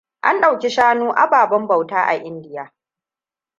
An ɗauki shanu ababnen bauta a India.